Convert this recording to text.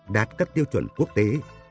đạt các tiêu chuẩn quốc tế